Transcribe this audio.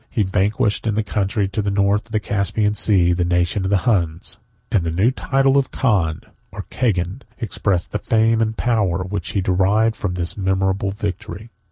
He vanquished, in the country to the north of the Caspian Sea, the nation of the Huns; and the new title of Khan, or Cagan, expressed the fame and power which he derived from this memorable victory.